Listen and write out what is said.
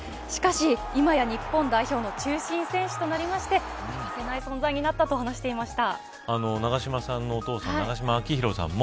しかし、今や日本代表の中心選手となりまして欠かせない存在になったと話していました。